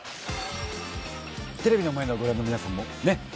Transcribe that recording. テレビの前のご覧の皆さんもねっ